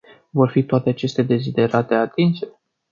Vor fi toate aceste deziderate atinse?